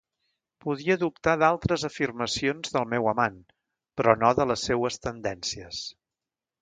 Podia dubtar d'altres afirmacions del meu amant, però no de les seues tendències.